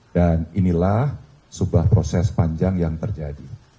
dan inilah sebuah proses panjang yang terjadi